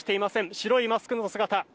白いマスク姿。